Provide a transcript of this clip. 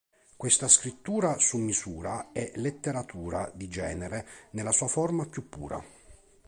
Questa scrittura "su misura" è letteratura di genere nella sua forma più pura.